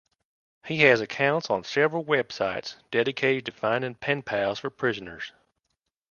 He has accounts on several websites dedicated to finding pen pals for prisoners.